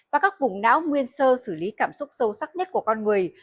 và các vùng não nguyên sơ xử lý cảm xúc sâu sắc nhất của con người